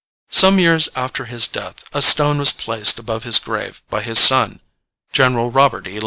Some years after his death a stone was placed above his grave by his son, General Robert E.